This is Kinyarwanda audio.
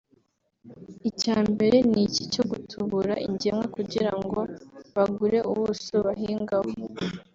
icya mbere ni iki cyo gutubura ingemwe kugira ngo bagure ubuso bahingaho